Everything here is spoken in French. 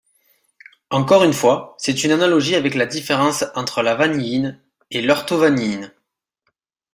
Encore une fois, c'est une analogie avec la différence entre la vanilline et l'orthovanilline.